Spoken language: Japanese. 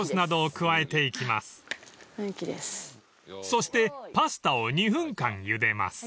［そしてパスタを２分間ゆでます］